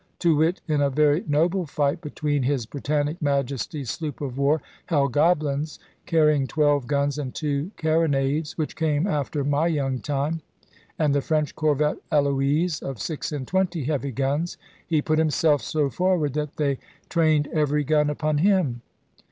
To wit, in a very noble fight between his Britannic Majesty's sloop of war "Hellgoblins," carrying twelve guns and two carronades (which came after my young time), and the French corvette "Heloise," of six and twenty heavy guns, he put himself so forward that they trained every gun upon him.